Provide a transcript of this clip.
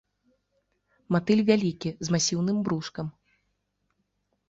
Матыль вялікі, з масіўным брушкам.